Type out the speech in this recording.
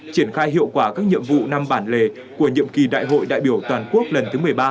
triển khai hiệu quả các nhiệm vụ năm bản lề của nhiệm kỳ đại hội đại biểu toàn quốc lần thứ một mươi ba